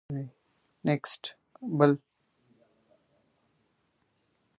د هغه هدف یوازې د طلا موندل نه وو.